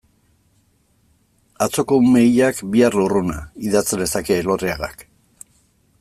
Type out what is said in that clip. Atzoko ume hilak, bihar lurruna, idatz lezake Elorriagak.